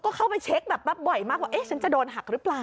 ก็เข้าไปเช็คแบบบ่อยมากว่าเอ๊ะฉันจะโดนหักหรือเปล่า